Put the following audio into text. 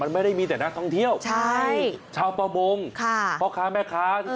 มันไม่ได้มีแต่นักท่องเที่ยวชาวประมงพ่อค้าแม่ค้า